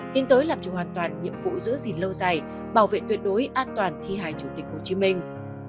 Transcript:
tiến tới làm chủ hoàn toàn nhiệm vụ giữ gìn lâu dài bảo vệ tuyệt đối an toàn thi hài chủ tịch hồ chí minh